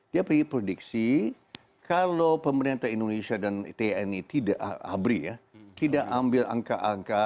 dia prediksi kalau pemerintah indonesia dan tni tidak ambil angka angka